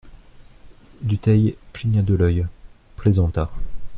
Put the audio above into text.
Dutheil cligna de l'œil, plaisanta.